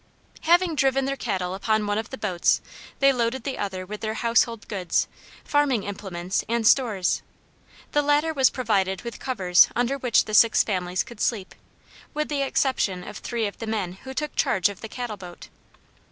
Having driven their cattle upon one of the boats they loaded the other with their household goods, farming implements, and stores. The latter was provided with covers under which the six families could sleep, with the exception of three of the men who took charge of the cattle boat.